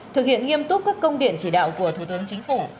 thực hiện nghiêm túc các công điện chỉ đạo của thủ tướng chính phủ